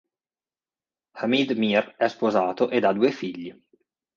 Hamid Mir è sposato ed ha due figli.